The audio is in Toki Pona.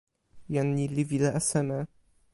jan ni li wile e seme?